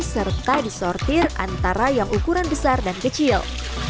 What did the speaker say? serta disortir antara yang ukuran besar dan kecil